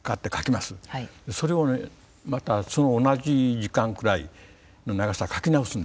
それをねまたその同じ時間くらいの長さ書き直すんですよ。